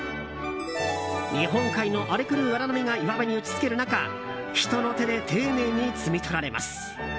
日本海の荒れ狂う荒波が岩場に打ち付ける中人の手で丁寧に摘み取られます。